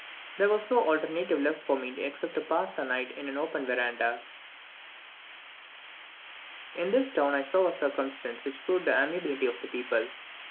There was no alternative left for me except to pass the night in an open verandah. In this town I saw a circumstance which proved the amiability of the people.